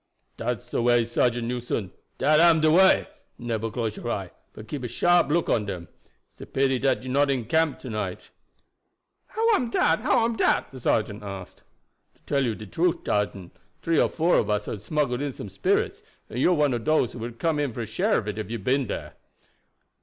"Dat's the way, Sergeant Newson, dat am de way. Neber close your eye, but keep a sharp look on dem. It's a pity dat you not in camp to night." "How am dat, how am dat?" the sergeant asked. "To tell you de truf, sergeant, tree or four ob us hab smuggled in some spirits, and you are one of dose who would hab come in for a share of it if you had been dere."